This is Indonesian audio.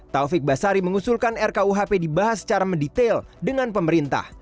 taufik basari mengusulkan rkuhp dibahas secara mendetail dengan pemerintah